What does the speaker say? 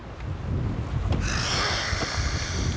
はあ！